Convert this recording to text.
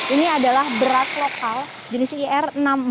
ini adalah beras lokal jenis ir enam puluh lima